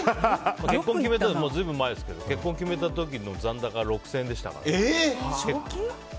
随分前ですけど結婚を決めた時の残高６０００円でしたから。